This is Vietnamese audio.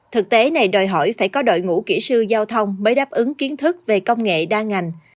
thực tế này đòi hỏi phải có đội ngũ kỹ sư giao thông mới đáp ứng kiến thức về công nghệ đa ngành